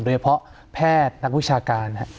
โดยเฉพาะแพทย์นักวิชาการ